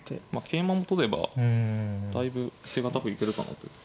桂馬も取ればだいぶ手堅く行けるかなという。